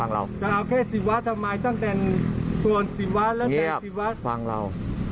เงียบฟังเรา